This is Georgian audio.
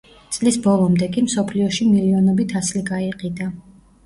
წლის ბოლომდე კი მსოფლიოში მილიონობით ასლი გაიყიდა.